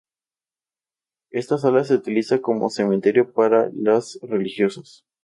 Esta sala se utiliza como cementerio para las religiosas.